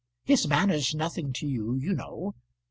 His manner's nothing to you, you know.